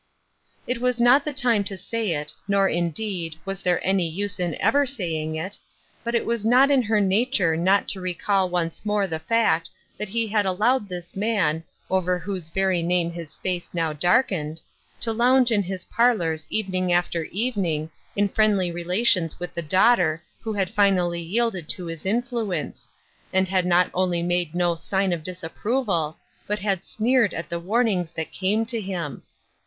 It was not the time to say it, nor, indeed, was there any use in ever saying it, but it was not in her nature not to recall once more the fact that he had allowed this man, over whose very name his face now darkened, to lounge in his parlors even ing after evening in friendly relations with the daughter who had finally yielded to his influence, and had not only made no sign of disapproval, but had sneered at the warnings that came to him.